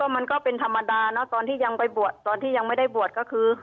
มันก็เป็นธรรมดานะตอนที่ยังไปบวชตอนที่ยังไม่ได้บวชก็คือ